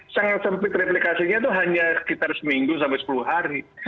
sangat sempit replikasinya itu hanya sekitar seminggu sampai sepuluh hari